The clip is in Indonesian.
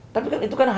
tapi kan itu kan